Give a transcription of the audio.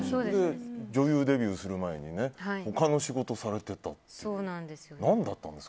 女優デビューする前に他の仕事されていたっていう。